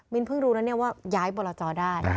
มิ้นเพิ่งรู้แล้วเนี่ยว่าย้ายบรรจาได้